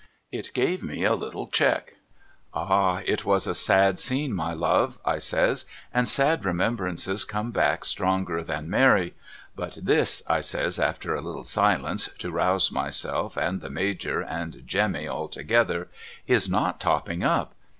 It gave me a little check. ' Ah ! it was a sad scene my love ' I says, ' and sad remembrances come back stronger than merry. But this' I says after a little silence, to rouse myself and the Major and Jemmy all together, ' is not topping up.